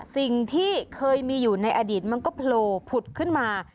สิ่งที่เคยมีอยู่ในอดีตมันก็โผล่ผุดขึ้นมา